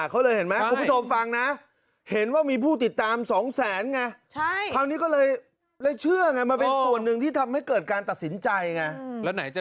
คิดว่านูแบบร่วมบวนการกับเค้าไปด้วยอะไรอย่างเนี่ยค่ะ